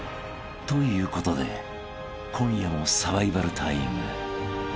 ということで今夜もサバイバルタイム］